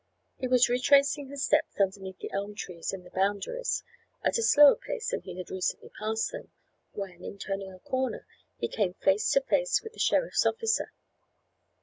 He was retracing his steps underneath the elm trees in the Boundaries at a slower pace than he had recently passed them, when, in turning a corner, he came face to face with the sheriff's officer.